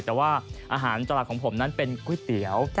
แต่ว่าอาหารตลาดของผมนั้นเป็นก๋วยเตี๋ยว